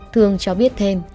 thương cho biết thêm